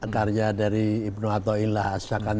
karya dari ibnu atau'illah s a w